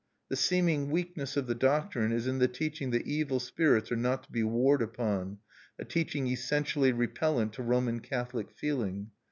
The seeming weakness of the doctrine is in the teaching that evil spirits are not to be warred upon, a teaching essentially repellent to Roman Catholic feeling.